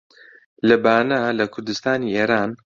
لە بانە لە کوردستانی ئێران